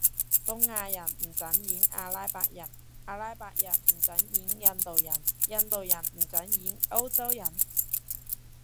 東亞人唔准演阿拉伯人，阿拉伯人唔准演印度人，印度人唔准演歐洲人？